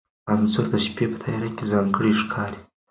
انځور د شپې په تیاره کې ځانګړی ښکاري.